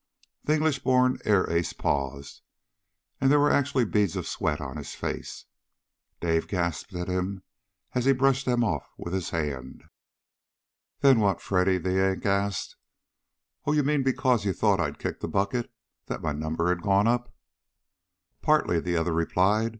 The English born air ace paused, and there were actually beads of sweat on his face. Dave gasped at him as he brushed them off with his hand. "Then what, Freddy?" the Yank asked. "Oh! You mean because you thought I'd kicked the bucket? That my number had gone up?" "Partly," the other replied.